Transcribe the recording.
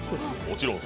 もちろん。